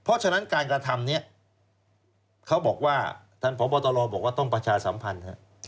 เพราะฉะนั้นการกระทำนี้เขาบอกว่าท่านพบตรบอกว่าต้องประชาสัมพันธ์